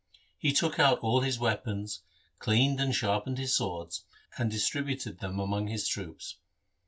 He took out all his weapons, cleaned and sharpened his swords, and distributed them among his troops.